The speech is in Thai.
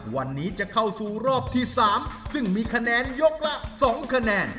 วันนี้จะเข้าสู่รอบที่๓ซึ่งมีคะแนนยกละ๒คะแนน